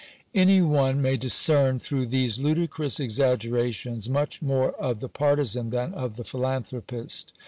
Any one may discern through these ludicrous exaggerations much more of the partizan than of the philanthropist.